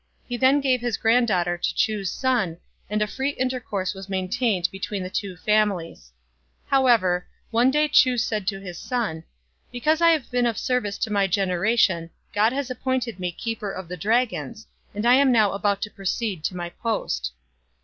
He then gave his grand daughter to Chu's son, and a free intercourse was main tained between the two families. However, one day Chu said to his son, " Because I have been of service to 142 STRANGE STORIES my generation, God has appointed me Keeper of the Dragons; and I am now about to proceed to my post."